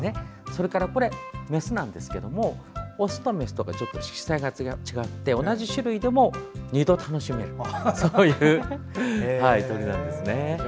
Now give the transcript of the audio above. それから、メスなんですがオスとメスでちょっと色彩が違って同じ種類でも２度楽しめるという鳥なんです。